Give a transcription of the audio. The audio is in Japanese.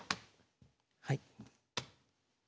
はい。